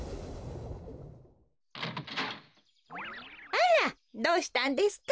あらどうしたんですか？